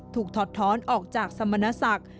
ถอดท้อนออกจากสมณศักดิ์